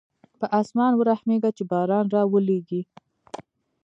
په اسمان ورحمېږه چې باران راولېږي.